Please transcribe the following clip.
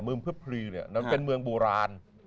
เมืองเพฟรีเนี่ยมันเป็นเมืองโบราณ